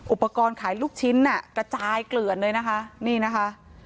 อุปกรณ์ขายลูกชิ้นน่ะกระจายเกลือนเลยนะคะนี่นะคะ